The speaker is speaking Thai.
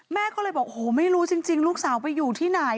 แม่ก็เลยบอกโอ้โหไม่รู้จริงลูกสาวไปอยู่ที่ไหน